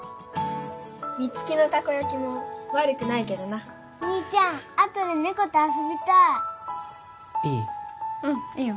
美月のたこ焼きも悪くないけどな兄ちゃんあとで猫と遊びたいいい？